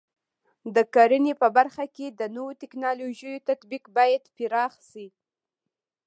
د کرنې په برخه کې د نوو ټکنالوژیو تطبیق باید پراخ شي.